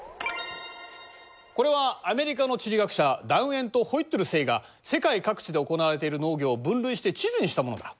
これはアメリカの地理学者ダウエント・ホイットルセイが世界各地で行われている農業を分類して地図にしたものだ。